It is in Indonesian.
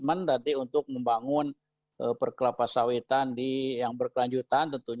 saatnya pemanah kawasan bengkong semua memberkati insyaratnya corresio segalanya tadi construksi